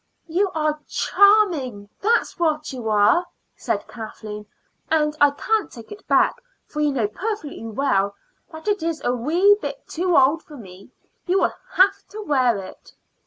"You are charming, that's what you are," said Kathleen. "And I can't take it back, for you know perfectly well that it is a wee bit too old for me. You will have to wear it."